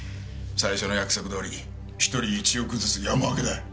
最初の約束どおり１人１億ずつ山分けだ。